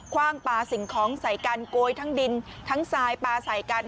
ว่างปลาสิ่งของใส่กันโกยทั้งดินทั้งทรายปลาใส่กัน